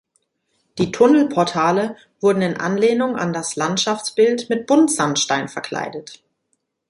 Die Tunnelportale wurden in Anlehnung an das Landschaftsbild mit Buntsandstein verkleidet.